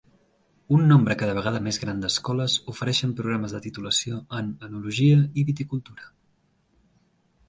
Un nombre cada vegada més gran d'escoles ofereixen programes de titulació en Enologia i Viticultura.